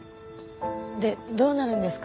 でどうなるんですか？